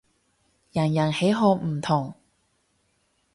人人喜好唔同